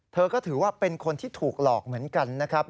เธอก็ถือว่าเป็นคนที่ถูกหลอกเหมือนกันนะครับ